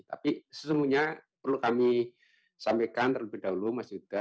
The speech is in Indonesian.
tapi sesungguhnya perlu kami sampaikan terlebih dahulu mas yuda